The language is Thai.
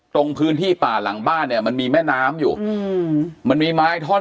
ตรงพื้นที่ป่าหลังบ้านเนี่ยมันมีแม่น้ำอยู่อืมมันมีไม้ท่อน